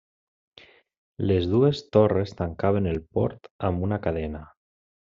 Les dues torres tancaven el port amb una cadena.